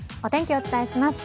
お伝えします。